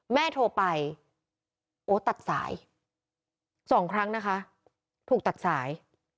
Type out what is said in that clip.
แม่โทรไปโอ๊ตตัดสายสองครั้งนะคะถูกตัดสาย